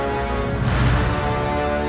mencintai kamu rama